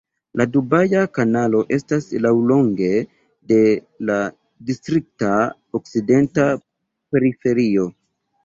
La Dubaja Kanalo estas laŭlonge de la distrikta okcidenta periferio.